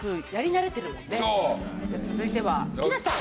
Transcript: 続いては木梨さん。